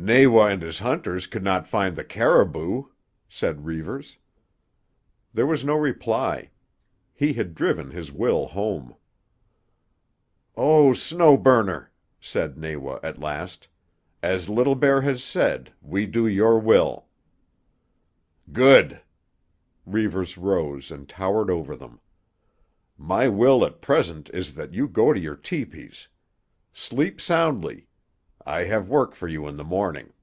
"Nawa and his hunters could not find the caribou," said Reivers. There was no reply. He had driven his will home. "Oh, Snow Burner," said Nawa, at last, "as Little Bear has said, we do your will." "Good;" Reivers rose and towered over them. "My will at present is that you go to your tepees. Sleep soundly. I have work for you in the morning."